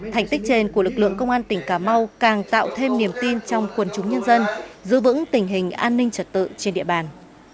thành tích trên của lực lượng công an tỉnh cà mau càng tạo thêm niềm tin trong quần chúng nhân dân giữ vững tình hình an ninh trật tự trên địa bàn